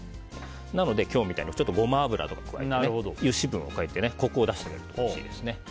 なので今日みたいにゴマ油とか、油脂分を加えてコクを出してあげるとおいしいです。